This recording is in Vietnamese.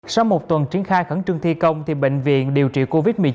sau một tuần triển khai khẩn trương thi công bệnh viện điều trị covid một mươi chín